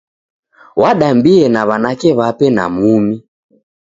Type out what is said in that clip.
Wadambie na w'anake w'ape na mumi.